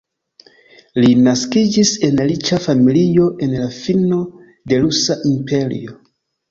Li naskiĝis en riĉa familio en la fino de Rusa Imperio.